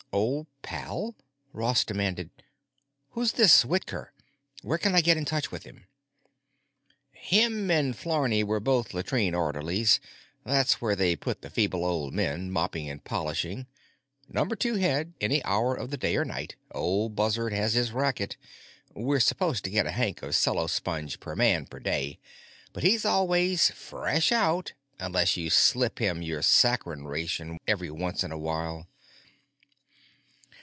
Old pal? Ross demanded, "Who's this Whitker? Where can I get in touch with him?" "Him and Flarney were both latrine orderlies. That's where they put the feeble old men, mopping and polishing. Number Two head, any hour of the day or night. Old buzzard has his racket—we're supposed to get a hank of cellosponge per man per day, but he's always 'fresh out'—unless you slip him your saccharine ration every once in a while."